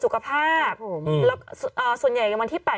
กล้องกว้างอย่างเดียว